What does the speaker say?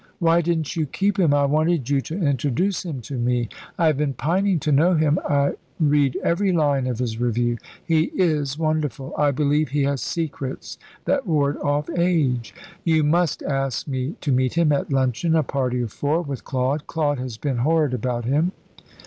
"Why didn't you keep him? I wanted you to introduce him to me. I have been pining to know him. I read every line of his Review. He is wonderful! I believe he has secrets that ward off age. You must ask me to meet him at luncheon a party of four, with Claude. Claude has been horrid about him."